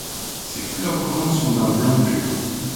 Ses fleurs grandes sont d'un blanc pur.